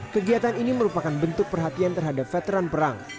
kegiatan ini merupakan bentuk perhatian terhadap veteran perang